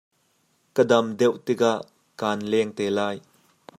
Ka dam deuh tikah kaan leng te lai.